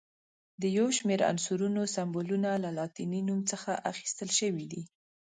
د یو شمېر عنصرونو سمبولونه له لاتیني نوم څخه اخیستل شوي دي.